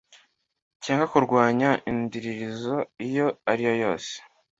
cyangwa kurwanya indiririzi iyo ariyo yose